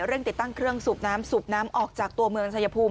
ติดตั้งเครื่องสูบน้ำสูบน้ำออกจากตัวเมืองชายภูมิ